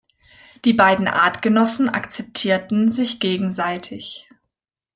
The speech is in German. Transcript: Die beiden Artgenossen akzeptierten sich gegenseitig.